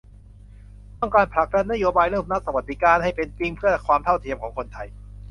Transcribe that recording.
ต้องการผลักดันนโยบายเรื่องรัฐสวัสดิการ ให้เป็นจริงเพื่อความเท่าเทียมของคนไทย